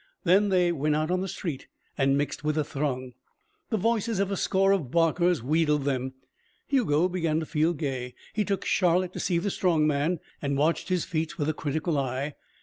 Then they went out on the street and mixed with the throng. The voices of a score of barkers wheedled them. Hugo began to feel gay. He took Charlotte to see the strong man and watched his feats with a critical eye.